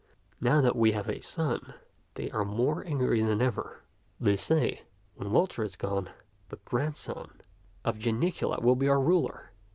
Now that we have a son, they are more angry than ever. They say, * When Walter is gone, the grandson of Janicula will be our ruler.'